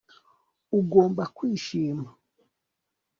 Ugomba kwishima